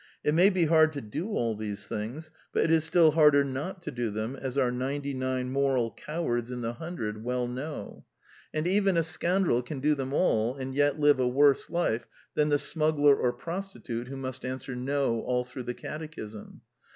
It may be hard to do all these things ; but it is still harder not to do them, as our ninety nine moral cowards in the hundred well know. And even The Lesson of the Plays 193 a scoundrel can do them all and yet live a worse life than the smuggler or prostitute who must answer No all through the catechism.